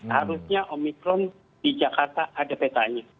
harusnya omikron di jakarta ada petanya